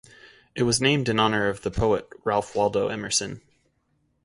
It was named in honor of the poet Ralph Waldo Emerson.